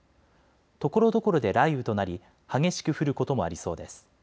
ところどころで雷雨となり激しく降ることもありそうです。